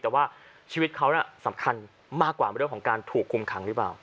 แต่ว่าชีวิตเขาสำคัญมากกว่าเรื่องของการถูกคุมขังหรือเปล่า